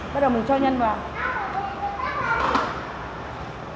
bắt đầu mình cho nhân vào